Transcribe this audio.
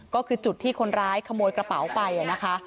ก็คือจุดที่คนร้ายขโมยกระเป๋าไปนะคะ